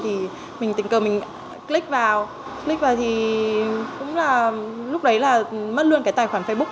thì mình tình cờ mình click vào blick vào thì cũng là lúc đấy là mất luôn cái tài khoản facebook